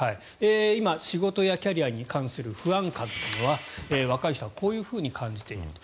今、仕事やキャリアに関する不安感というのは若い人はこういうふうに感じていると。